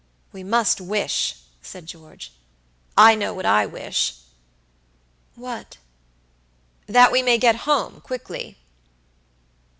"We must wish!" said George. "I know what I wish." "What?" "That we may get home quickly."